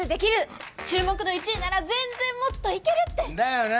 注目度１位なら全然もっといけるって！だよな。